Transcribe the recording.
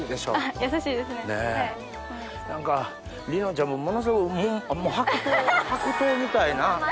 何か梨乃ちゃんもものすごい白桃みたいな。